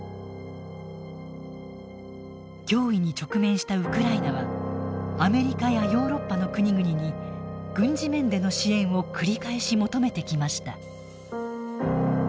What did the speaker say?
脅威に直面したウクライナはアメリカやヨーロッパの国々に軍事面での支援を繰り返し求めてきました。